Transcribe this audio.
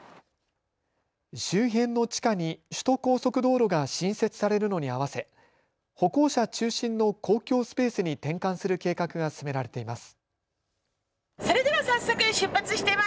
周辺の地下に首都高速道路が新設されるのに合わせ歩行者中心の公共スペースに転換する計画が進められています。